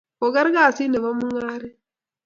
ko ker kasit nebo mugaret